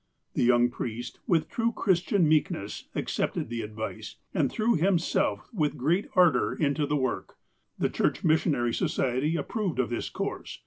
The young priest, with true Christian meekness, ac cepted the advice, and threw himself with great ardour into the work. Tlie Church Missionary Society approved of this course.